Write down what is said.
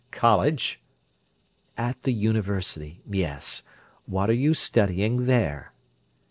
"College!" "At the university! Yes. What are you studying there?"